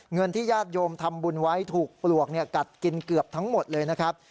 เงินที่ญาติโยมทำบุญไว้ถูกปลวกกัดกินเกือบทั้งหมดเลยนะครับ